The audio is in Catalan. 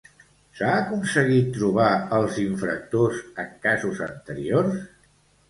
S'ha aconseguit trobar els infractors en casos anteriors?